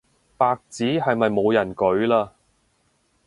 白紙係咪冇人舉嘞